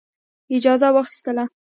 اجازه واخیستله.